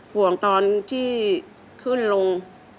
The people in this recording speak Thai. ห่วงตอนที่ขึ้นลง